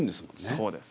そうです。